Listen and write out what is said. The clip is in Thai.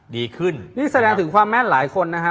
ดีขึ้นนี่แสดงถึงความแม่นหลายคนนะฮะ